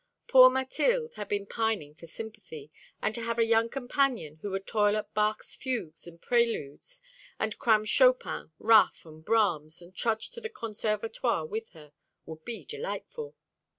Poor Mathilde had been pining for sympathy; and to have a young companion who would toil at Bach's fugues and preludes, and cram Chopin, Raff, and Brahms, and trudge to the Conservatoire with her, would be delightful.